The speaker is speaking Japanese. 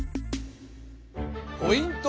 ポイント